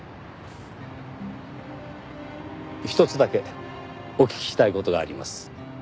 ひとつだけお聞きしたい事があります。